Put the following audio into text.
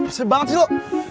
ih rese banget sih lo